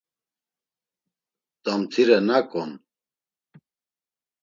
Damtire nak on?